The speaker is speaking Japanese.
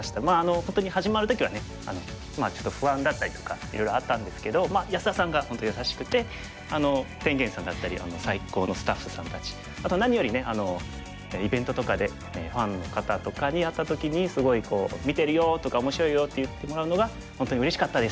本当に始まる時はねちょっと不安だったりとかいろいろあったんですけど安田さんが本当優しくて天元さんだったり最高のスタッフさんたちあと何よりねイベントとかでファンの方とかに会った時にすごい「見てるよ」とか「面白いよ」って言ってもらうのが本当にうれしかったです。